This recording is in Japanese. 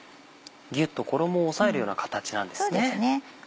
ぎゅっと衣を押さえるような形なんですね。